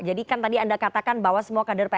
jadi kan tadi anda katakan bahwa semua kader psi